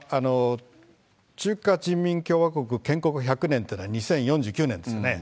中華人民共和国建国１００年っていうのは２０４９年ですよね。